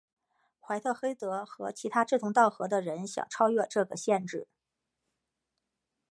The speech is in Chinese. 怀特黑德和其他志同道合的人想超越这个限制。